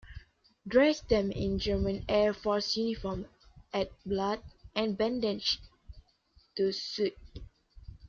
Dress them in German Air Force uniform, add blood and bandages to suit.